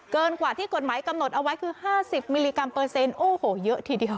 เกินกว่าที่กฎหมายกำหนดเอาไว้คือ๕๐มิลลิกรัมเปอร์เซ็นต์โอ้โหเยอะทีเดียว